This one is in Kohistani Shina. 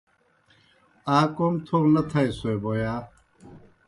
آ کوْم تھو نہ تھائیسوئے بوْ یا؟